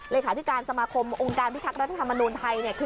เลขาธิการสมาคมองค์การพิทักษ์รัฐธรรมนูลไทยเนี่ยคือ